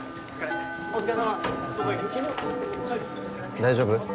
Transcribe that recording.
大丈夫？